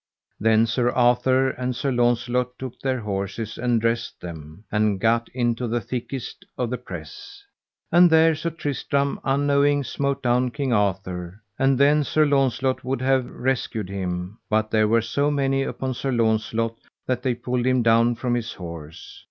Then Sir Arthur and Sir Launcelot took their horses and dressed them, and gat into the thickest of the press. And there Sir Tristram unknowing smote down King Arthur, and then Sir Launcelot would have rescued him, but there were so many upon Sir Launcelot that they pulled him down from his horse.